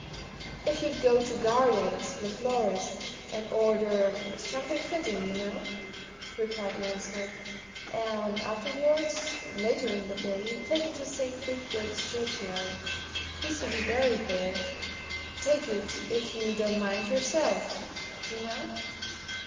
"If you'd go to Gardales', the florists, and order something fitting, you know," replied Ransford, "and afterwards later in the day take it to St. Wigbert's Churchyard he's to be buried there take it if you don't mind yourself, you know."